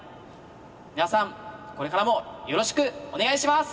皆さんこれからもよろしくお願いします」。